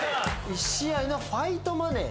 １試合のファイトマネー